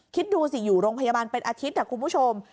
คิดดูสิอยู่โรงพยาบาลเป็นอาทิตย์คุณผู้ชม